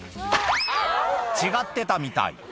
違ってたみたい。